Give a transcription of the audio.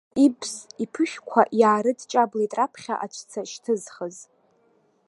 Ибз иԥышәқәа иаарыдҷаблеит раԥхьа аҵәца шьҭызхыз.